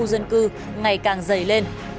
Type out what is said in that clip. có công năng đặc biệt